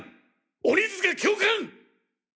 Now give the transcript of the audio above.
鬼塚教官！！